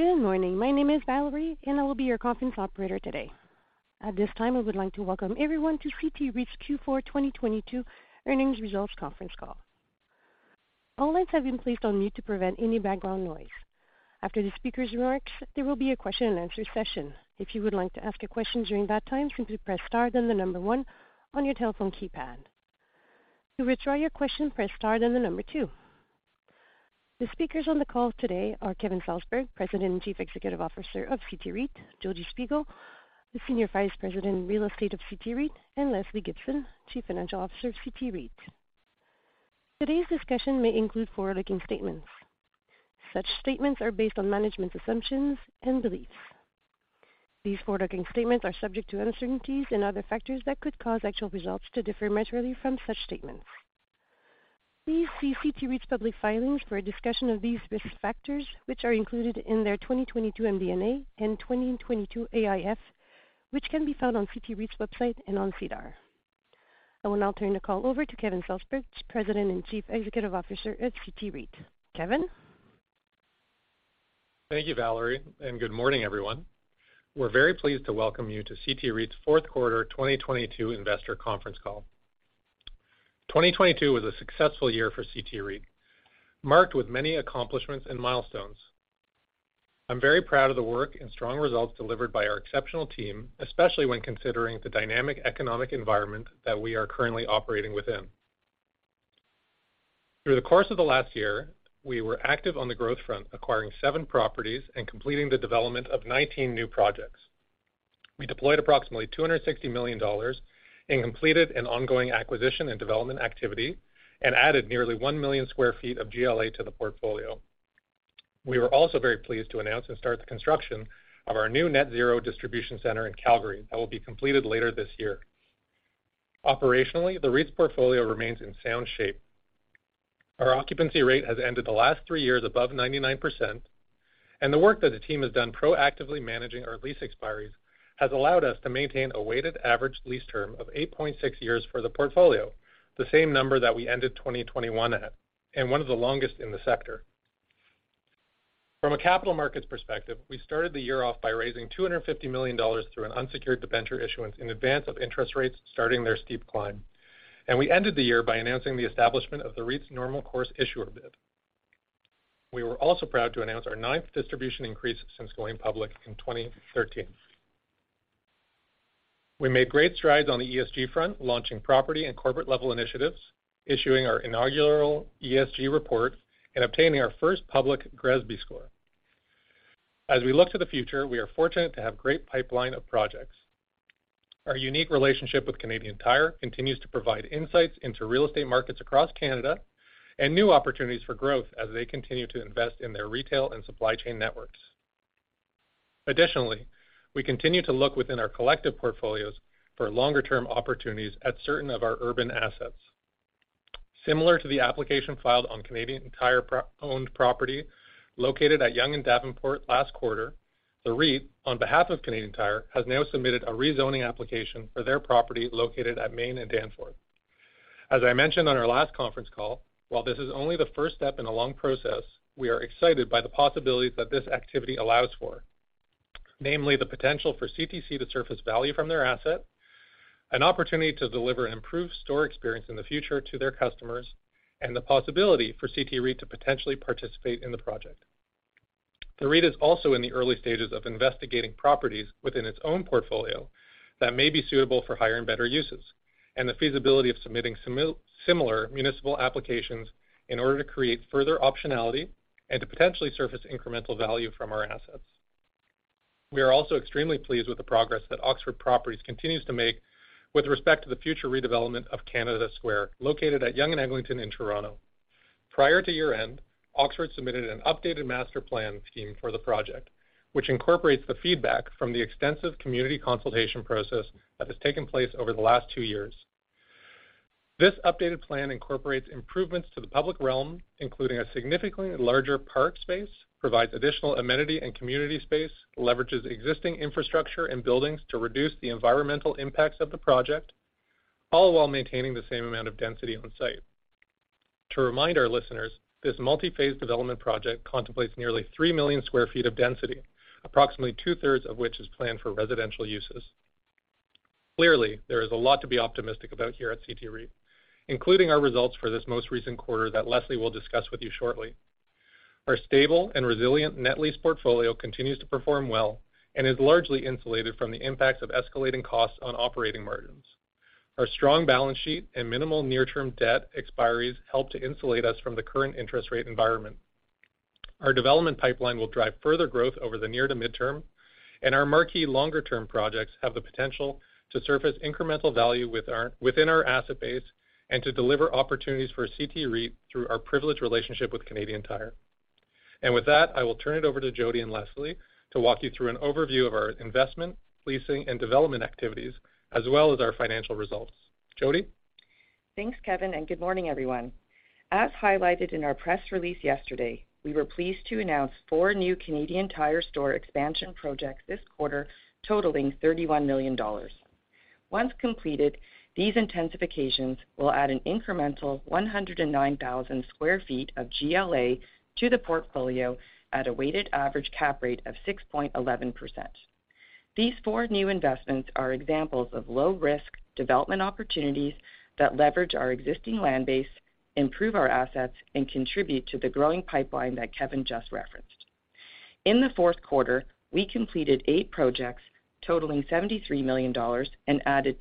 Good morning. My name is Valerie, and I will be your conference operator today. At this time, we would like to welcome everyone to CT REIT's Q4 2022 Earnings Results Conference Call. All lines have been placed on mute to prevent any background noise. After the speaker's remarks, there will be a question-and-answer session. If you would like to ask a question during that time, simply press star, then the number one on your telephone keypad. To withdraw your question, press star, then the number two. The speakers on the call today are Kevin Salsberg, President and CEO of CT REIT, Jodi Shpigel, the SVP in Real Estate of CT REIT, and Lesley Gibson, CFO of CT REIT. Today's discussion may include forward-looking statements. Such statements are based on management's assumptions and beliefs. These forward-looking statements are subject to uncertainties and other factors that could cause actual results to differ materially from such statements. Please see CT REIT's public filings for a discussion of these risk factors, which are included in their 2022 MD&A and 2022 AIF, which can be found on CT REIT's website and on SEDAR. I will now turn the call over to Kevin Salsberg, President and CEO at CT REIT. Kevin? Thank you, Valerie, good morning, everyone. We're very pleased to welcome you to CT REIT's Q4 2022 investor conference call. 2022 was a successful year for CT REIT, marked with many accomplishments and milestones. I'm very proud of the work and strong results delivered by our exceptional team, especially when considering the dynamic economic environment that we are currently operating within. Through the course of the last year, we were active on the growth front, acquiring 7 properties and completing the development of 19 new projects. We deployed approximately 260 million dollars and completed an ongoing acquisition and development activity and added nearly 1 million sq ft of GLA to the portfolio. We were also very pleased to announce and start the construction of our new net zero distribution center in Calgary that will be completed later this year. Operationally, the REIT's portfolio remains in sound shape. Our occupancy rate has ended the last 3 years above 99%. The work that the team has done proactively managing our lease expiries has allowed us to maintain a weighted average lease term of 8.6 years for the portfolio, the same number that we ended 2021 at, and one of the longest in the sector. From a capital markets perspective, we started the year off by raising 250 million dollars through an unsecured debenture issuance in advance of interest rates starting their steep climb. We ended the year by announcing the establishment of the REIT's normal course issuer bid. We were also proud to announce our ninth distribution increase since going public in 2013. We made great strides on the ESG front, launching property and corporate-level initiatives, issuing our inaugural ESG report, and obtaining our first public GRESB score. As we look to the future, we are fortunate to have great pipeline of projects. Our unique relationship with Canadian Tire continues to provide insights into real estate markets across Canada and new opportunities for growth as they continue to invest in their retail and supply chain networks. Additionally, we continue to look within our collective portfolios for longer-term opportunities at certain of our urban assets. Similar to the application filed on Canadian Tire-pr-owned property located at Yonge and Davenport last quarter, the REIT, on behalf of Canadian Tire, has now submitted a rezoning application for their property located at Main and Danforth. As I mentioned on our last conference call, while this is only the first step in a long process, we are excited by the possibilities that this activity allows for. Namely, the potential for CTC to surface value from their asset, an opportunity to deliver an improved store experience in the future to their customers, and the possibility for CT REIT to potentially participate in the project. The REIT is also in the early stages of investigating properties within its own portfolio that may be suitable for higher and better uses, and the feasibility of submitting similar municipal applications in order to create further optionality and to potentially surface incremental value from our assets. We are also extremely pleased with the progress that Oxford Properties continues to make with respect to the future redevelopment of Canada Square, located at Yonge and Eglinton in Toronto. Prior to year-end, Oxford submitted an updated master plan scheme for the project, which incorporates the feedback from the extensive community consultation process that has taken place over the last two years. This updated plan incorporates improvements to the public realm, including a significantly larger park space, provides additional amenity and community space, leverages existing infrastructure and buildings to reduce the environmental impacts of the project, all while maintaining the same amount of density on site. To remind our listeners, this multi-phase development project contemplates nearly 3 million sq ft of density, approximately two-thirds of which is planned for residential uses. Clearly, there is a lot to be optimistic about here at CT REIT, including our results for this most recent quarter that Lesley will discuss with you shortly. Our stable and resilient net lease portfolio continues to perform well and is largely insulated from the impacts of escalating costs on operating margins. Our strong balance sheet and minimal near-term debt expiries help to insulate us from the current interest rate environment. Our development pipeline will drive further growth over the near to midterm, and our marquee longer-term projects have the potential to surface incremental value within our asset base and to deliver opportunities for CT REIT through our privileged relationship with Canadian Tire. With that, I will turn it over to Jodi and Lesley to walk you through an overview of our investment, leasing, and development activities, as well as our financial results. Jodi? Thanks, Kevin, and good morning, everyone. As highlighted in our press release yesterday, we were pleased to announce four new Canadian Tire store expansion projects this quarter totaling 31 million dollars. Once completed, these intensifications will add an incremental 109,000 sq ft of GLA to the portfolio at a weighted average cap rate of 6.11%. These four new investments are examples of low risk development opportunities that leverage our existing land base, improve our assets, and contribute to the growing pipeline that Kevin just referenced. In the Q4, we completed eight projects totaling CAD 73 million and added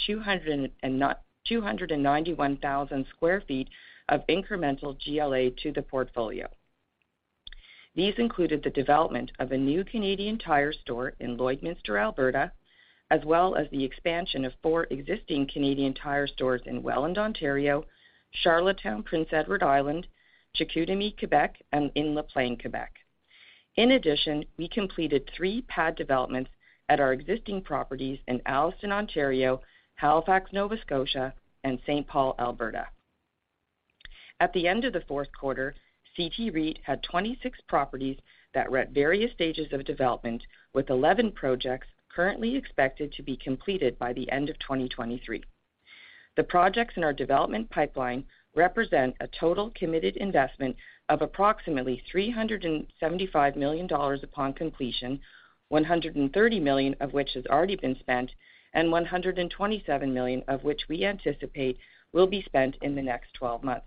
291,000 sq ft of incremental GLA to the portfolio. These included the development of a new Canadian Tire store in Lloydminster, Alberta, as well as the expansion of four existing Canadian Tire stores in Welland, Ontario, Charlottetown, Prince Edward Island, Chicoutimi, Quebec, and in La Plaine, Quebec. In addition, we completed three pad developments at our existing properties in Alliston, Ontario, Halifax, Nova Scotia, and St. Paul, Alberta. At the end of the Q4, CT REIT had 26 properties that were at various stages of development, with 11 projects currently expected to be completed by the end of 2023. The projects in our development pipeline represent a total committed investment of approximately $375 million upon completion. $130 million of which has already been spent, and $127 million of which we anticipate will be spent in the next 12 months.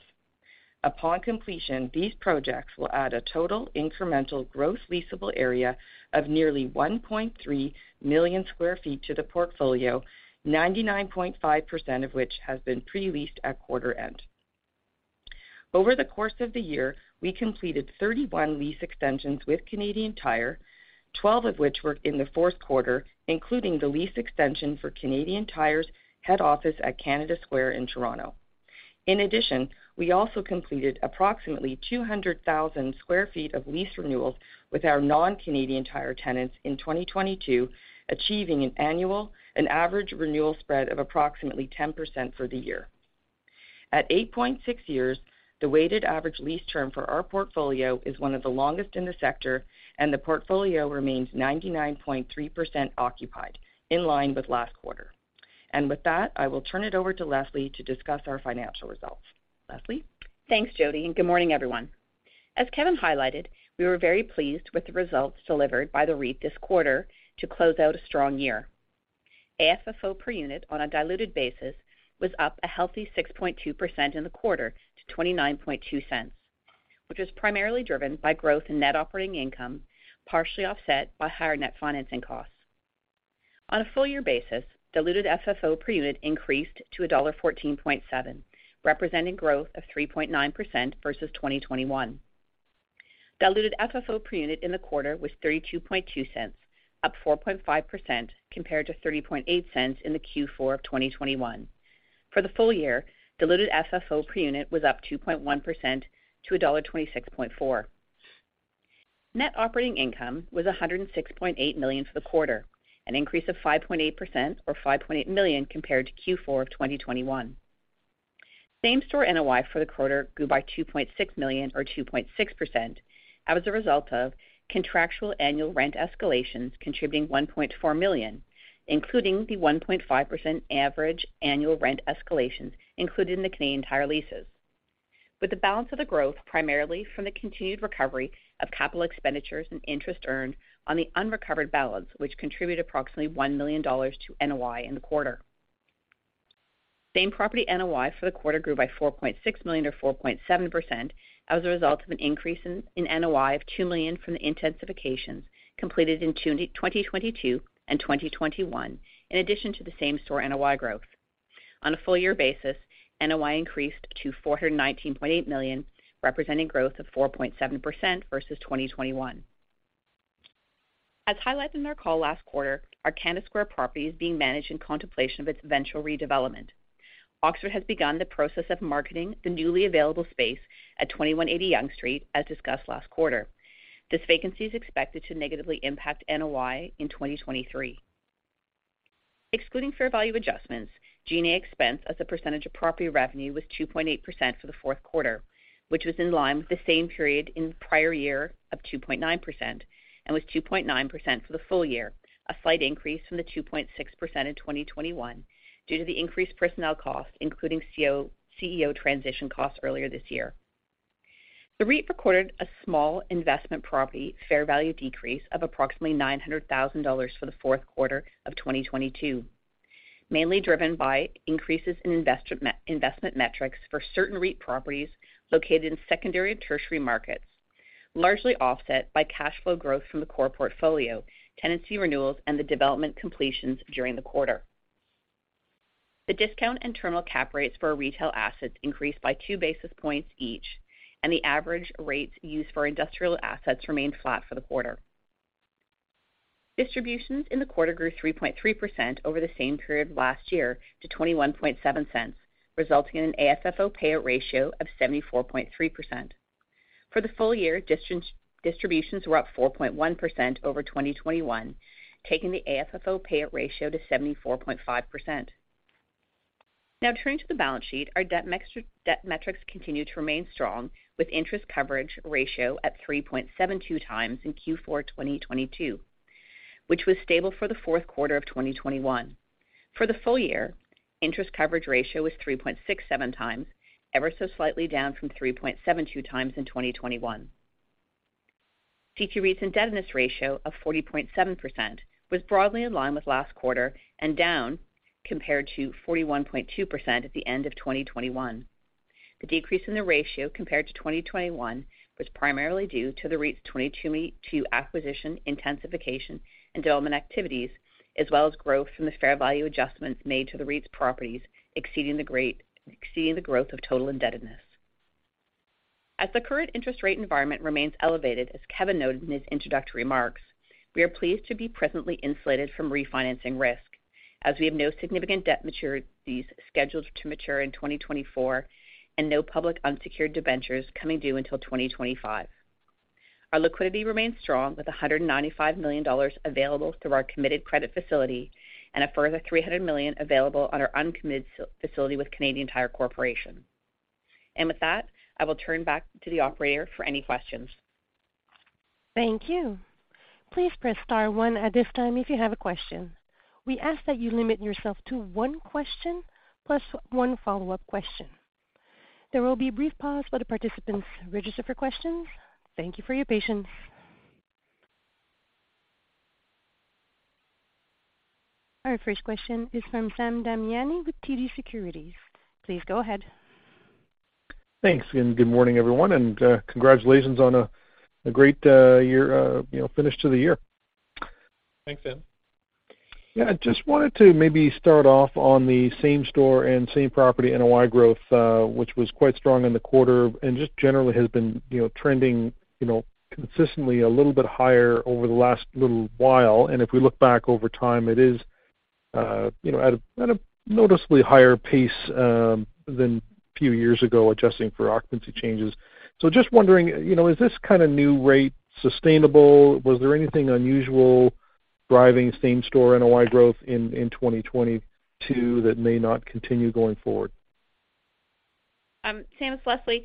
Upon completion, these projects will add a total incremental gross leasable area of nearly 1.3 million sq ft to the portfolio, 99.5% of which has been pre-leased at quarter end. Over the course of the year, we completed 31 lease extensions with Canadian Tire, 12 of which were in the Q4, including the lease extension for Canadian Tire's head office at Canada Square in Toronto. In addition, we also completed approximately 200,000 sq ft of lease renewals with our non-Canadian Tire tenants in 2022, achieving an annual and average renewal spread of approximately 10% for the year. At 8.6 years, the weighted average lease term for our portfolio is one of the longest in the sector, and the portfolio remains 99.3% occupied, in line with last quarter. With that, I will turn it over to Lesley to discuss our financial results. Lesley? Thanks, Jodi, and good morning, everyone. As Kevin highlighted, we were very pleased with the results delivered by the REIT this quarter to close out a strong year. AFFO per unit on a diluted basis was up a healthy 6.2% in the quarter to 0.292, which was primarily driven by growth in net operating income, partially offset by higher net financing costs. On a full-year basis, diluted FFO per unit increased to dollar 1.147, representing growth of 3.9% versus 2021. Diluted FFO per unit in the quarter was 0.322, up 4.5% compared to 0.308 in the Q4 of 2021. For the full year, diluted FFO per unit was up 2.1% to dollar 1.264. Net operating income was 106.8 million for the quarter, an increase of 5.8% or 5.8 million compared to Q4 of 2021. Same store NOI for the quarter grew by 2.6 million or 2.6% as a result of contractual annual rent escalations contributing 1.4 million, including the 1.5% average annual rent escalations included in the Canadian Tire leases. With the balance of the growth primarily from the continued recovery of capital expenditures and interest earned on the unrecovered balance, which contributed approximately 1 million dollars to NOI in the quarter. Same-property NOI for the quarter grew by 4.6 million or 4.7% as a result of an increase in NOI of 2 million from the intensifications completed in 2022 and 2021, in addition to the same store NOI growth. On a full-year basis, NOI increased to 419.8 million, representing growth of 4.7% versus 2021. As highlighted in our call last quarter, our Canada Square property is being managed in contemplation of its eventual redevelopment. Oxford has begun the process of marketing the newly available space at 2180 Yonge Street, as discussed last quarter. This vacancy is expected to negatively impact NOI in 2023. Excluding fair value adjustments, G&A expense as a percentage of property revenue was 2.8% for the Q4, which was in line with the same period in the prior year of 2.9% and was 2.9% for the full year, a slight increase from the 2.6% in 2021 due to the increased personnel costs, including CEO transition costs earlier this year. The REIT recorded a small investment property fair value decrease of approximately 900,000 dollars for the Q4 of 2022, mainly driven by increases in investment metrics for certain REIT properties located in secondary and tertiary markets, largely offset by cash flow growth from the core portfolio, tenancy renewals, and the development completions during the quarter. The discount and terminal cap rates for our retail assets increased by 2 basis points each, and the average rates used for industrial assets remained flat for the quarter. Distributions in the quarter grew 3.3% over the same period last year to 0.217, resulting in an AFFO payout ratio of 74.3%. For the full year, distributions were up 4.1% over 2021, taking the AFFO payout ratio to 74.5%. Turning to the balance sheet. Our debt metrics continue to remain strong, with interest coverage ratio at 3.72 times in Q4 2022, which was stable for the Q4 of 2021. For the full year, interest coverage ratio was 3.67 times, ever so slightly down from 3.72 times in 2021. CT REIT's indebtedness ratio of 40.7% was broadly in line with last quarter and down compared to 41.2% at the end of 2021. The decrease in the ratio compared to 2021 was primarily due to the REIT's 2022 acquisition intensification and development activities, as well as growth from the fair value adjustments made to the REIT's properties exceeding the growth of total indebtedness. The current interest rate environment remains elevated, as Kevin noted in his introductory remarks, we are pleased to be presently insulated from refinancing risk as we have no significant debt maturities scheduled to mature in 2024 and no public unsecured debentures coming due until 2025. Our liquidity remains strong with 195 million dollars available through our committed credit facility and a further 300 million available on our uncommitted facility with Canadian Tire Corporation. With that, I will turn back to the operator for any questions. Thank you. Please press star one at this time if you have a question. We ask that you limit yourself to one question plus one follow-up question. There will be a brief pause while the participants register for questions. Thank you for your patience. Our first question is from Sam Damiani with TD Securities. Please go ahead. Thanks, good morning, everyone, and congratulations on a great year, you know, finish to the year. Thanks, Sam. Yeah, I just wanted to maybe start off on the same-store and same-property NOI growth, which was quite strong in the quarter and just generally has been, you know, trending, you know, consistently a little bit higher over the last little while. If we look back over time, it is, you know, at a noticeably higher pace than a few years ago, adjusting for occupancy changes. Just wondering, you know, is this kind of new rate sustainable? Was there anything unusual driving same-store NOI growth in 2022 that may not continue going forward? Sam, it's Lesley.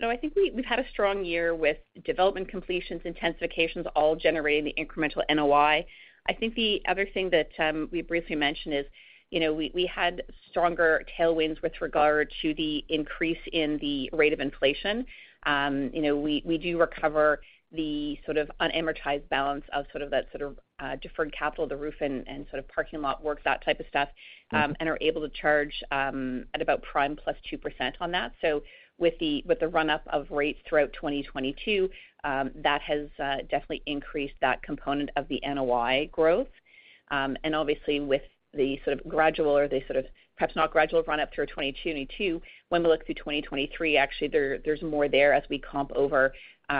No, I think we've had a strong year with development completions, intensifications, all generating the incremental NOI. I think the other thing that we briefly mentioned is, you know, we had stronger tailwinds with regard to the increase in the rate of inflation. You know, we do recover the sort of unamortized balance of sort of that sort of deferred capital, the roof and sort of parking lot work, that type of stuff. Are able to charge at about prime plus 2% on that. With the run-up of rates throughout 2022, that has definitely increased that component of the NOI growth. Obviously, with the sort of gradual or perhaps not gradual run-up through 2022, when we look through 2023, actually there's more there as we comp over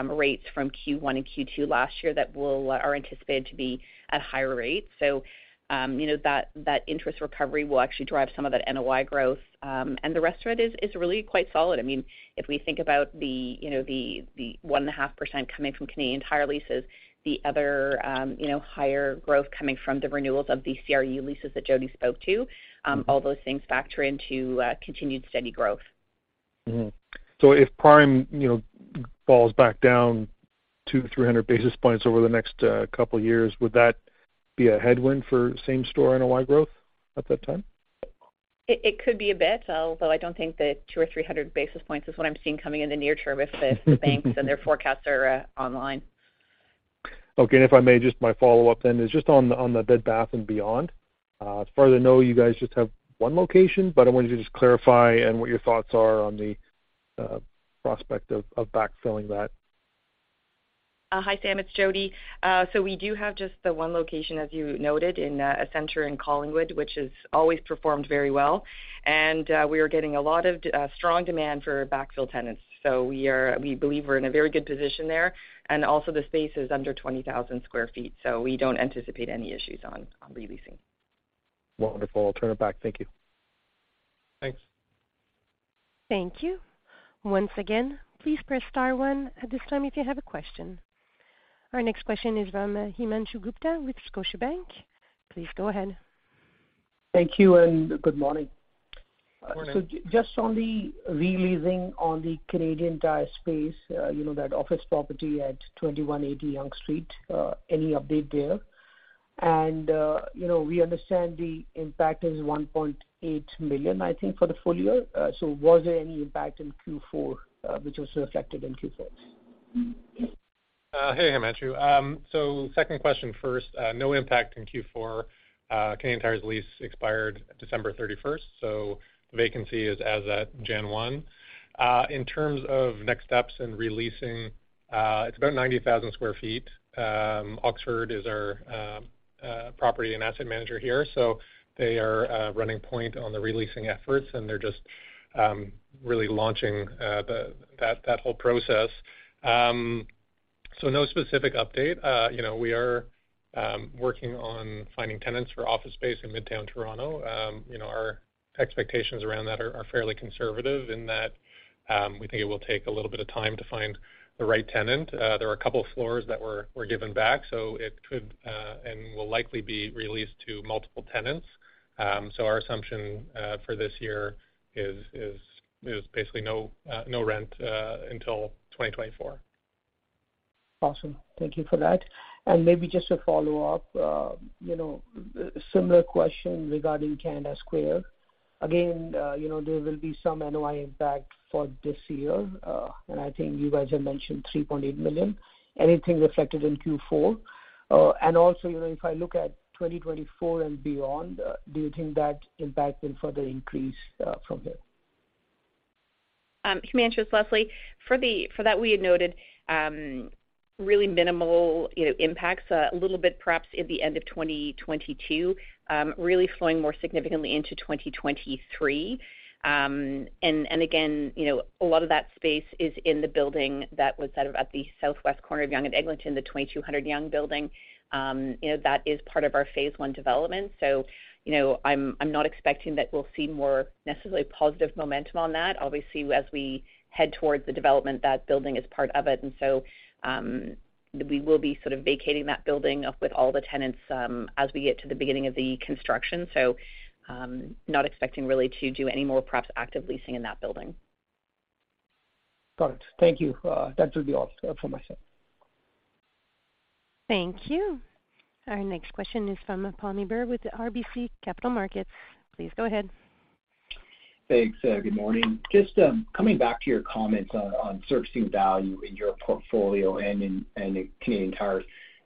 rates from Q1 and Q2 last year that are anticipated to be at higher rates. You know, that interest recovery will actually drive some of that NOI growth. The rest of it is really quite solid. I mean, if we think about the, you know, the 1.5% coming from Canadian Tire leases, the other, you know, higher growth coming from the renewals of the CRU leases that Jodi spoke to. All those things factor into continued steady growth. Mm-hmm. If prime, you know, falls back down 200-300 basis points over the next couple years, would that be a headwind for same store NOI growth at that time? It could be a bit, although I don't think that 2 or 300 basis points is what I'm seeing coming in the near term if the banks and their forecasts are online. Okay. If I may, just my follow-up then is just on the Bed Bath & Beyond. As far as I know, you guys just have one location, but I wanted to just clarify what your thoughts are on the prospect of backfilling that? Hi, Sam. It's Jodi. We do have just the one location, as you noted, in a center in Collingwood, which has always performed very well. We are getting a lot of strong demand for backfill tenants. We believe we're in a very good position there. Also, the space is under 20,000 sq ft, we don't anticipate any issues on re-leasing. Wonderful. I'll turn it back. Thank you. Thanks. Thank you. Once again, please press star one at this time if you have a question. Our next question is from Himanshu Gupta with Scotiabank. Please go ahead. Thank you. Good morning. Morning. Just on the re-leasing on the Canadian Tire space, you know, that office property at 2180 Yonge Street, any update there? You know, we understand the impact is $1.8 million, I think, for the full year. Was there any impact in Q4, which was reflected in Q4? Hey, Himanshu. Second question first. No impact in Q4. Canadian Tire's lease expired December 31st, so vacancy is as at January 1. In terms of next steps in re-leasing, it's about 90,000 sq ft. Oxford is our property and asset manager here, so they are running point on the re-leasing efforts, and they're just really launching that whole process. No specific update. You know, we are working on finding tenants for office space in Midtown Toronto. You know, our expectations around that are fairly conservative in that, we think it will take a little bit of time to find the right tenant. There are a couple of floors that were given back, so it could and will likely be released to multiple tenants. Our assumption for this year is basically no rent until 2024. Awesome. Thank you for that. Maybe just to follow up, you know, similar question regarding Canada Square. Again, you know, there will be some NOI impact for this year, and I think you guys have mentioned $3.8 million. Anything reflected in Q4? Also, you know, if I look at 2024 and beyond, do you think that impact will further increase from there? Himanshu, it's Lesley. For that, we had noted really minimal, you know, impacts, a little bit perhaps at the end of 2022, really flowing more significantly into 2023. And again, you know, a lot of that space is in the building that was sort of at the southwest corner of Yonge and Eglinton, the 2200 Yonge building. You know, that is part of our phase one development. You know, I'm not expecting that we'll see more necessarily positive momentum on that. Obviously, as we head towards the development, that building is part of it. We will be sort of vacating that building up with all the tenants as we get to the beginning of the construction. Not expecting really to do any more perhaps active leasing in that building. Got it. Thank you. That will be all from my side. Thank you. Our next question is from Pammi Bir with RBC Capital Markets. Please go ahead. Thanks. Good morning. Just coming back to your comments on servicing value in your portfolio and in, and in Canadian Tire.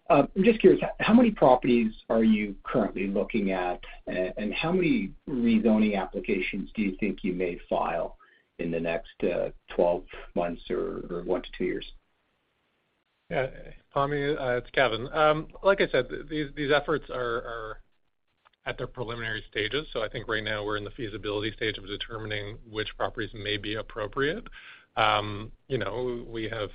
I'm just curious, how many properties are you currently looking at? And how many rezoning applications do you think you may file in the next 12 months or 1 to 2 years? Pammi, it's Kevin. Like I said, these efforts are at their preliminary stages. I think right now we're in the feasibility stage of determining which properties may be appropriate. You know, we have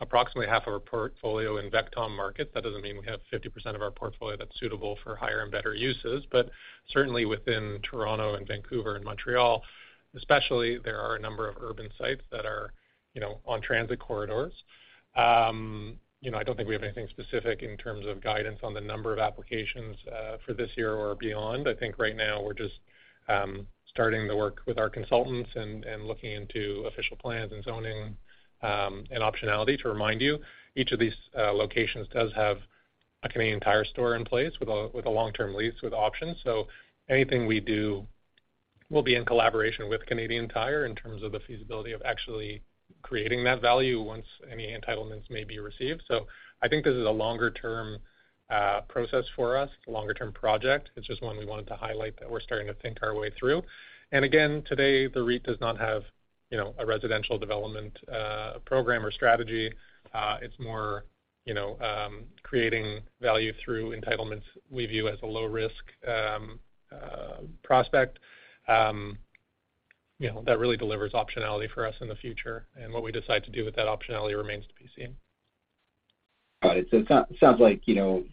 approximately half of our portfolio in VECTOM markets. That doesn't mean we have 50% of our portfolio that's suitable for higher and better uses. Certainly within Toronto and Vancouver and Montreal, especially, there are a number of urban sites that are, you know, on transit corridors. You know, I don't think we have anything specific in terms of guidance on the number of applications for this year or beyond. I think right now we're just starting the work with our consultants and looking into official plans and zoning and optionality. To remind you, each of these locations does have a Canadian Tire store in place with a long-term lease with options. Anything we do will be in collaboration with Canadian Tire in terms of the feasibility of actually creating that value once any entitlements may be received. I think this is a longer term process for us, a longer term project. It's just one we wanted to highlight that we're starting to think our way through. Again, today, the REIT does not have, you know, a residential development program or strategy. It's more, you know, creating value through entitlements we view as a low risk prospect, you know, that really delivers optionality for us in the future. What we decide to do with that optionality remains to be seen. Got it. It sounds like, you know,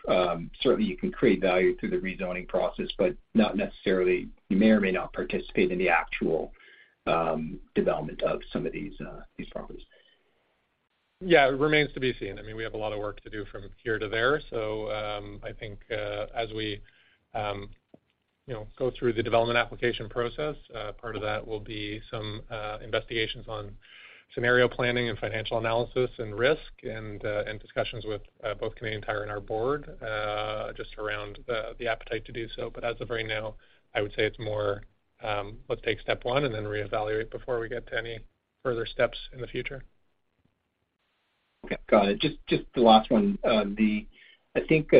certainly you can create value through the rezoning process, but not necessarily you may or may not participate in the actual development of some of these properties. Yeah, it remains to be seen. I mean, we have a lot of work to do from here to there. I think, you know, as we go through the development application process, part of that will be some investigations on scenario planning and financial analysis and risk and discussions with both Canadian Tire and our board, just around the appetite to do so. As of right now, I would say it's more, let's take step one and then reevaluate before we get to any further steps in the future. Okay. Got it. Just the last one. I think,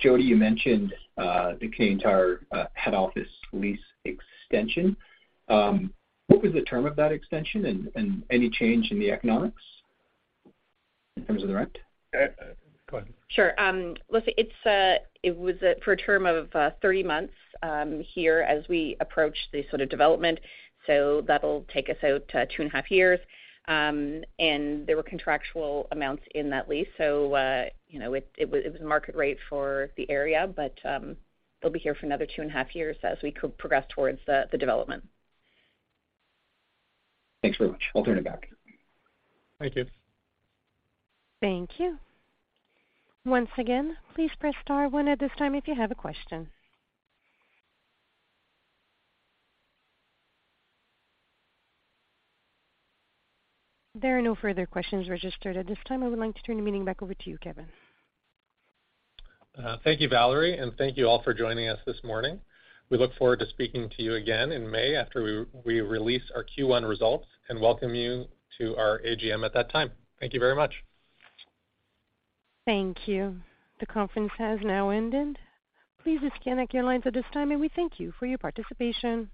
Jodi, you mentioned the Canadian Tire head office lease extension. What was the term of that extension and any change in the economics in terms of the rent? Go ahead. Sure. Let's see. It was for a term of 30 months here as we approach the sort of development. That'll take us out to two and a half years. There were contractual amounts in that lease. You know, it was market rate for the area, but they'll be here for another two and a half years as we progress towards the development. Thanks very much. I'll turn it back. Thank you. Thank you. Once again, please press star one at this time if you have a question. There are no further questions registered at this time. I would like to turn the meeting back over to you, Kevin. Thank you, Valerie, and thank you all for joining us this morning. We look forward to speaking to you again in May after we release our Q1 results and welcome you to our AGM at that time. Thank you very much. Thank you. The conference has now ended. Please disconnect your lines at this time, and we thank you for your participation.